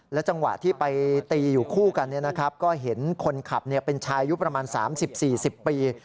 จังหวะที่ไปตีอยู่คู่กันก็เห็นคนขับเป็นชายอายุประมาณ๓๐๔๐ปี